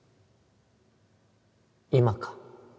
今か？